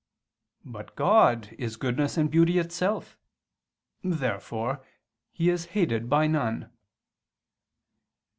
But God is goodness and beauty itself. Therefore He is hated by none.